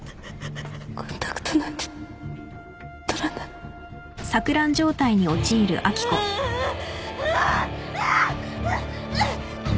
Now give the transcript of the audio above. コンタクトなんて取らないあっ！